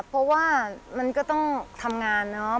เพราะว่ามันก็ต้องทำงานเนาะ